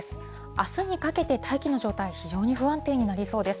あすにかけて大気の状態、非常に不安定になりそうです。